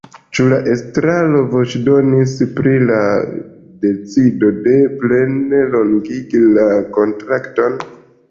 Ĉu la estraro voĉdonis pri la decido ne plene longigi la kontrakton?